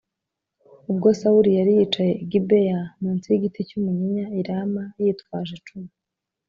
Ubwo Sawuli yari yicaye i Gibeya munsi y’igiti cy’umunyinya i Rama yitwaje icumu